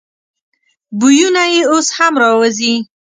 بویونه یې اوس هم راوزي.